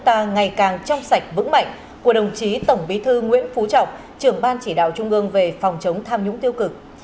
ta ngày càng trong sạch vững mạnh của đồng chí tổng bí thư nguyễn phú trọng trưởng ban chỉ đạo trung ương về phòng chống tham nhũng tiêu cực